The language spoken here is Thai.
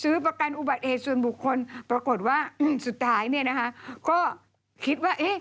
ซื้อประกันอุบัติเหตุส่วนบุคคลปรากฏว่าสุดท้ายก็คิดว่า